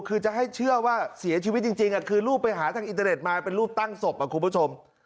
คือจะให้เชื่อว่าเสียชีวิตจริงคือรูปไปหาทางอินเทอร์เน็ตมาเป็นรูปตั้งศพคุณผู้ชม